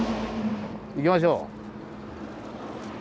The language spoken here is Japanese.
行きましょう！